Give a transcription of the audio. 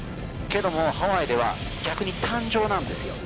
けどもハワイでは逆に誕生なんですよ